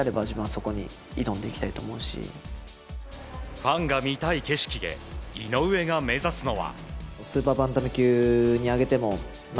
ファンが見たい景色で井上が目指すのは。